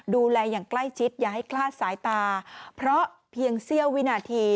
ดูแลอย่างใกล้ชิดอย่าให้คลาดสายตาเพราะเพียงเสี้ยววินาที